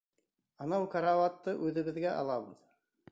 Анау карауатты үҙебеҙгә алабыҙ.